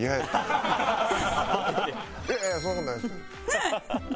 「いやいやそんな事ないです」。